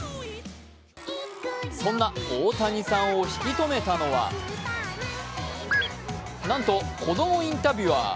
そんな大谷さんを引き止めたのはなんと子供インタビュアー。